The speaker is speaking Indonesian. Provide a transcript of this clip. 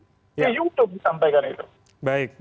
di youtube disampaikan itu